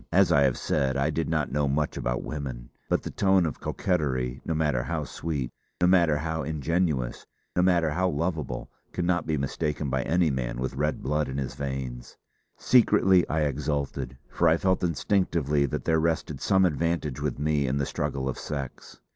As I have said, I did not know much about women, but the tone of coquetry, no matter how sweet, no matter how ingenuous, no matter how lovable, cannot be mistaken by any man with red blood in his veins! Secretly I exulted, for I felt instinctively that there rested some advantage with me in the struggle of sex.